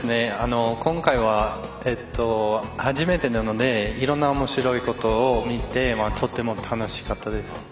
今回は、初めてなのでいろんなおもしろいことを見てとても楽しかったです。